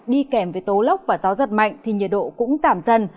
đi kèm với tố lốc và gió giật mạnh thì nhiệt độ cũng giảm dần